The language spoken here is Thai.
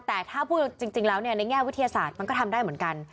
แต่ถ้าพูดจริงแล้วในแง่วิทยาศาสตร์มันก็ทำได้เหมือนกัน